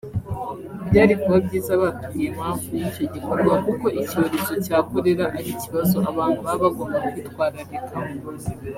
Byari kuba byiza batubwiye impamvu y’icyo gikorwa kuko icyorezo cya kolera ari ikibazo abantu baba bagomba kwitwararikaho